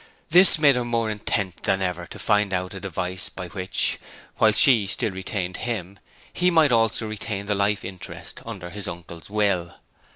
This made her more intent than ever to find out a device by which, while she still retained him, he might also retain the life interest under his uncle's will.